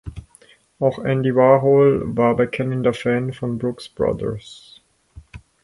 Auch Andy Warhol war bekennender Fan von Brooks Brothers.